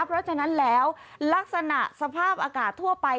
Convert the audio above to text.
เพราะฉะนั้นแล้วลักษณะสภาพอากาศทั่วไป